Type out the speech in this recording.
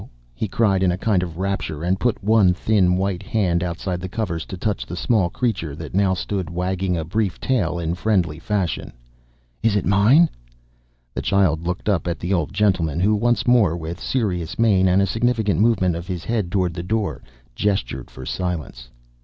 he cried in a kind of rapture and put one thin white hand outside the covers to touch the small creature that now stood wagging a brief tail in friendly fashion. "Is it mine?" The child looked up at the old gentleman who once more, with serious mien and a significant movement of his head toward the door, gestured for silence.